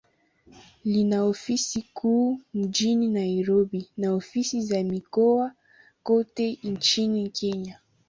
Lina ofisi kuu mjini Nairobi, na ofisi za mikoa kote nchini Kenya.